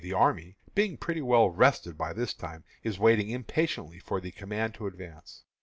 The army, being pretty well rested by this time, is waiting impatiently for the command to advance.